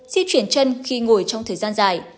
di chuyển chân khi ngồi trong thời gian dài